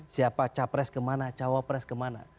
siapa capres kemana cawapres kemana